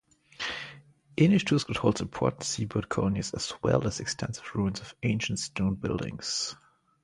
Inishtooskert holds important seabird colonies, as well as extensive ruins of ancient stone buildings.